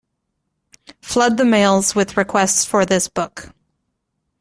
Flood the mails with requests for this book.